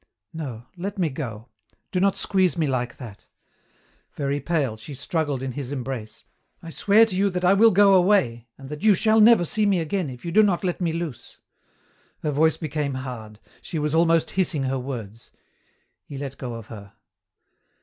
No! Let me go. Do not squeeze me like that!" Very pale, she struggled in his embrace. "I swear to you that I will go away and that you shall never see me again if you do not let me loose." Her voice became hard. She was almost hissing her words. He let go of her.